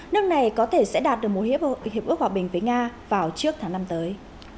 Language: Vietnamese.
nước này có thể sẽ đạt được mối hiệp ước hòa bình với nga vào trước tháng năm tới